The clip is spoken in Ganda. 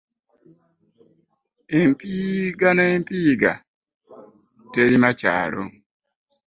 Empiiga n'empiiga teriimu kyalo .